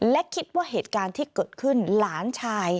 และคิดว่าเหตุการณ์ที่เกิดขึ้นหลานชาย